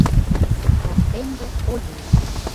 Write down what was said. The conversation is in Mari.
Воктенже — Олю.